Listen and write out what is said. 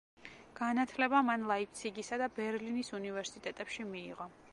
განათლება მან ლაიფციგისა და ბერლინის უნივერსიტეტებში მიიღო.